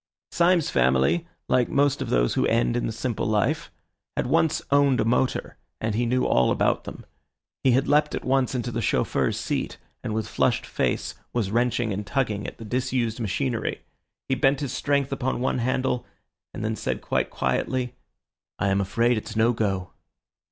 Syme's family, like most of those who end in the simple life, had once owned a motor, and he knew all about them. He had leapt at once into the chauffeur's seat, and with flushed face was wrenching and tugging at the disused machinery. He bent his strength upon one handle, and then said quite quietly— "I am afraid it's no go."